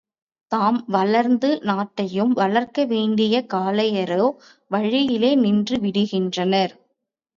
தாம் வளர்ந்து, நாட்டையும் வளர்க்க வேண்டிய காளையரோ, வழியிலே நின்று விடுகின்றனர்.